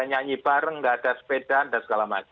menyanyi bareng tidak ada sepeda dan segala macam